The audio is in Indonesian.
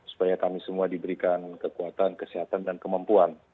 supaya kami semua diberikan kekuatan kesehatan dan kemampuan